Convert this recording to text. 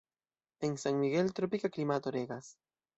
En San Miguel tropika klimato regas.